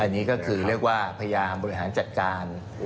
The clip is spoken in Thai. อันนี้ก็คือเรียกว่าพยายามบริหารจัดการ